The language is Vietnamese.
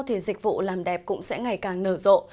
thì dịch vụ làm đẹp cũng sẽ ngày càng nở rộ